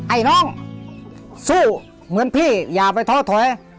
ไอ้น้องสู้เหมือนพี่อย่าไปท้อถอย